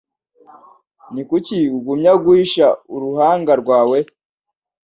Ni kuki ugumya guhisha uruhanga rwawe